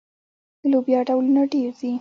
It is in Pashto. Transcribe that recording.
د لوبیا ډولونه ډیر دي.